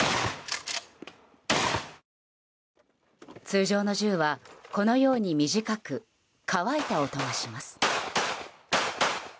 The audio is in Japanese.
通常の銃は、このように短く乾いた音がします。